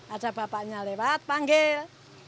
ada bapaknya lewat panggil